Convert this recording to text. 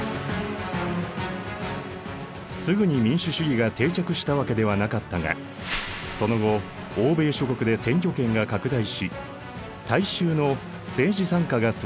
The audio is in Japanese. すぐに民主主義が定着したわけではなかったがその後欧米諸国で選挙権が拡大し大衆の政治参加が進んでいった。